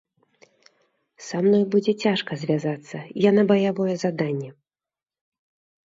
Са мной будзе цяжка звязацца, я на баявое заданне.